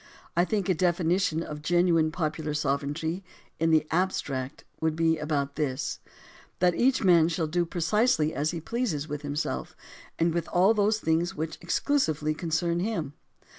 I think a definition of genuine popular sovereignty, in the abstract, would be about this: That each man shall do precisely as he pleases with himself, and with all those things which exclusively concern him.